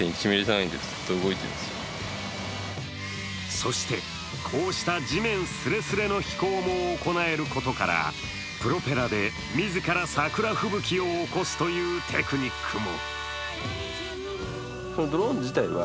そして、こうした地面すれすれの飛行も行えることから、プロペラで自ら桜吹雪を起こすというテクニックも。